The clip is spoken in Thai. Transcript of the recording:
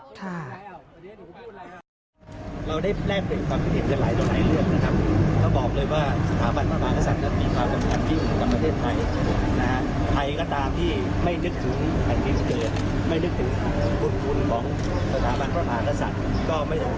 นี่คือการพูดเขานะครับ